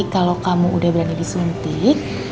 kalau kamu udah berani disuntik